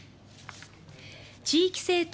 地域政党